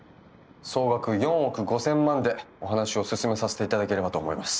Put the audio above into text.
総額４億５，０００万でお話を進めさせていただければと思います。